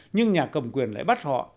nhưng nhà cầm quyền lại bắt họ